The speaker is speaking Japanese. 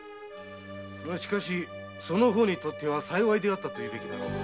しかしその方にとっては幸いであったというべきだろう。